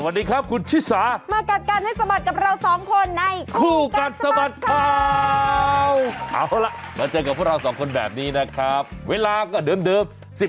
สวัสดีค่ะสวัสดีคุณชนะค่ะสวัสดีครับคุณชิษา